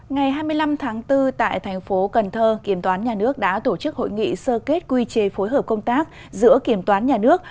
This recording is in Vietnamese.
ngày hai mươi năm tháng bốn tại thành phố cần thơ kiểm toán nhà nước đã tổ chức hội nghị sơ kết quy chế phối hợp công tác giữa kiểm toán nhà nước